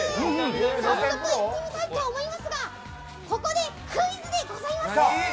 早速行ってみたいと思いますが、ここでクイズでございます。